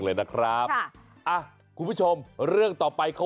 โอ้โหเลื่อมใส